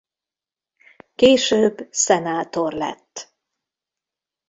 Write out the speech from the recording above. Később szenátor lett.